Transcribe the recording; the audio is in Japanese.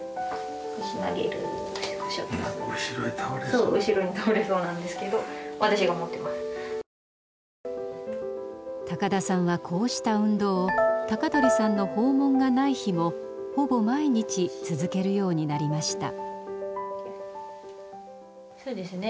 そう後ろに倒れそうなんですけど高田さんはこうした運動を高取さんの訪問がない日もほぼ毎日続けるようになりました。